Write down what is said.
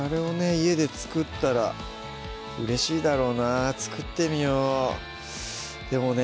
家で作ったらうれしいだろうな作ってみようでもね